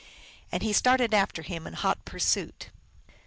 " And he started after him in hot pursuit.